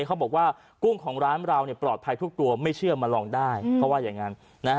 เขาบอกว่ากุ้งของร้านเราปลอดภัยทุกตัวไม่เชื่อมาลองได้เขาว่าอย่างนั้น